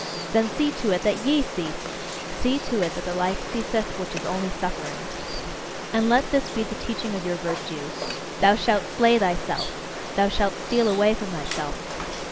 Then see to it that YE cease! See to it that the life ceaseth which is only suffering! And let this be the teaching of your virtue: "Thou shalt slay thyself! Thou shalt steal away from thyself!"